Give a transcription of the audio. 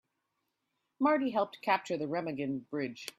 Marty helped capture the Remagen Bridge.